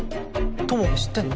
友部知ってるの？